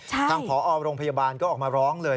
ทางผอโรงพยาบาลก็ออกมาร้องเลย